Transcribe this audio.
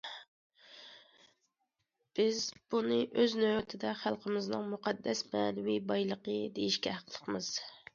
بىز بۇنى ئۆز نۆۋىتىدە خەلقىمىزنىڭ مۇقەددەس مەنىۋى بايلىقى دېيىشكە ھەقلىقمىز.